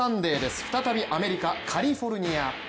再びアメリカ・カリフォルニア。